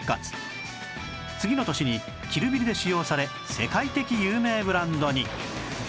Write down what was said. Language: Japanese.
次の年に『キル・ビル』で使用され世界的有名ブランドに